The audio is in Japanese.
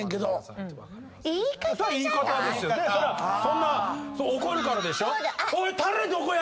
そんな怒るからでしょ。